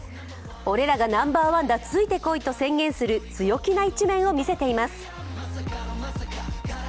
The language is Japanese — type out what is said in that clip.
俺らがナンバー１だついて来いと宣言する強気な一面を見せています。